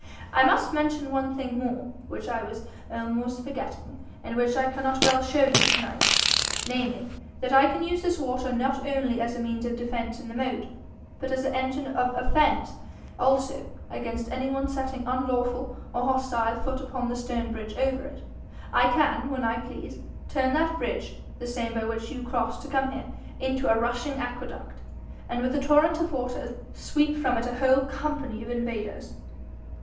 I must mention one thing more which I was almost forgetting, and which I cannot well show you to night namely, that I can use this water not only as a means of defence in the moat, but as an engine of offence also against any one setting unlawful or hostile foot upon the stone bridge over it. I can, when I please, turn that bridge, the same by which you cross to come here, into a rushing aqueduct, and with a torrent of water sweep from it a whole company of invaders.'